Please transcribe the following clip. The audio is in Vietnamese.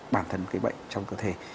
bản thân bệnh trong cơ thể